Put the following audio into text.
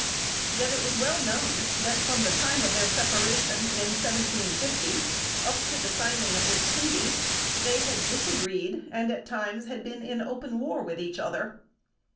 Yet it was well known that, from the time of their separation, in 1750, up to the signing of this treaty, they had disagreed and, at times, had been in open war with each other.